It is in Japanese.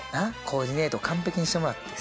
コーディネート完璧にしてもらって。